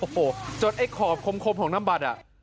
โอ้โหจนไอ้ขอบคมของน้ำบัตรอ่ะ